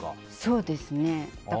そうですね。